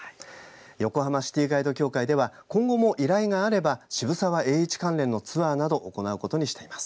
横浜シティガイド協会では今後も依頼があれば渋沢栄一関連のツアーなどを行うことにしています。